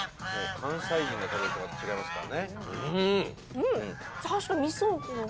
関西人が食べるとまた違いますからね。